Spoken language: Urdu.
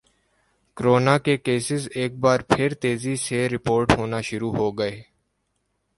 کرونا کے کیسز ایک بار پھر تیزی سے رپورٹ ہونا شروع ہوگئے